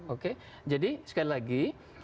oke jadi sekali lagi